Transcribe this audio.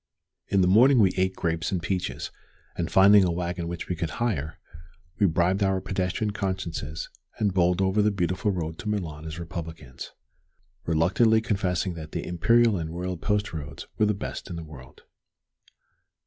In the morning we ate grapes and peaches, and finding a wagon which we could hire, we bribed our pedestrian consciences and bowled over the beautiful road to Milan as republicans, reluctantly confessing that the imperial and royal post roads were the best in the world.